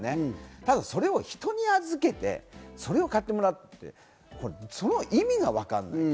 ただそれを人に預けて、それを買ってもらうって、その意味がわからない。